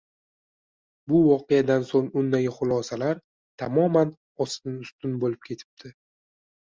Bu voqeadan soʻng undagi xulosalar tamoman ostin-ustin boʻlib ketibdi